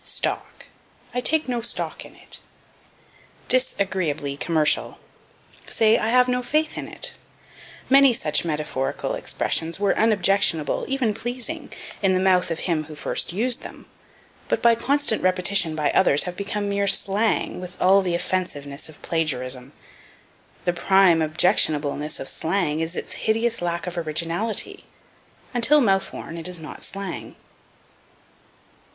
Stock. "I take no stock in it." Disagreeably commercial. Say, I have no faith in it. Many such metaphorical expressions were unobjectionable, even pleasing, in the mouth of him who first used them, but by constant repetition by others have become mere slang, with all the offensiveness of plagiarism. The prime objectionableness of slang is its hideous lack of originality. Until mouth worn it is not slang.